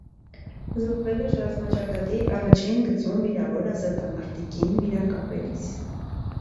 Զոհվել է ռազմաճակատի առաջին գծում վիրավոր ազատամարտիկին վիրակապելիս։